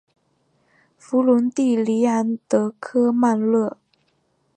弗龙蒂尼昂德科曼热。